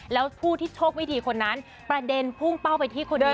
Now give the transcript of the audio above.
แล้วผู้ที่โชควิธีคนนั้นประเด็นพุ่งเป้าไปที่คนอื่น